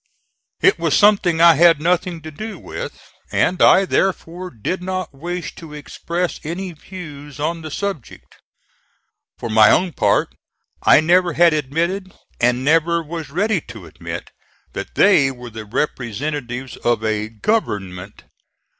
It was something I had nothing to do with, and I therefore did not wish to express any views on the subject. For my own part I never had admitted, and never was ready to admit, that they were the representatives of a GOVERNMENT.